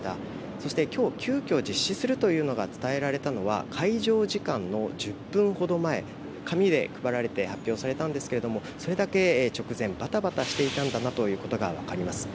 そして今日、急きょ実施すると伝えられたのが会場時間の１０分ほど前、紙で配られて発表されたんですがそれだけ直前バタバタしていたんだなということが分かります。